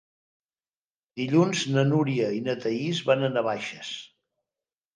Dilluns na Núria i na Thaís van a Navaixes.